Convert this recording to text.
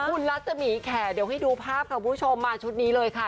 คุณรัศมีค่ะเดี๋ยวให้ดูภาพค่ะคุณผู้ชมมาชุดนี้เลยค่ะ